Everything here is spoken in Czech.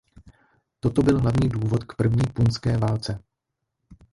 Toto byl hlavní důvod k první punské válce.